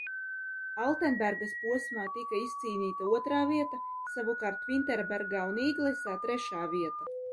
Altenbergas posmā tika izcīnīta otrā vieta, savukārt Vinterbergā un Īglsā – trešā vieta.